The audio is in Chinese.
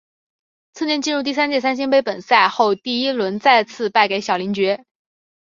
次年进入第三届三星杯本赛后第一轮再次败给小林觉。